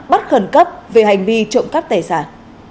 bắt khẩn cấp về hành vi trộm cắp tài sản